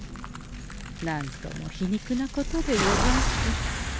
何とも皮肉なことでござんす。